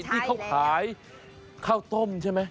ที่เขาขายข้าวต้มใช่ไหม